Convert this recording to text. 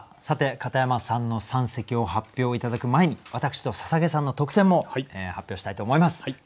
さて片山さんの三席を発表頂く前に私と捧さんの特選も発表したいと思います。